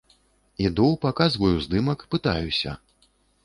Іду, паказваю здымак, пытаюся.